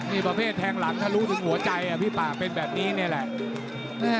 นี่ประเภทแทงหลังทะลุถึงหัวใจพี่ป่าเป็นแบบนี้นี่แหละ